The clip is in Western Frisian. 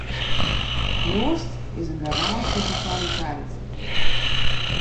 Joost is in garânsje foar kwaliteit.